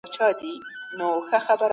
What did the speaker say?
هر څوک د خپل فکر د پوښتنې حق لري.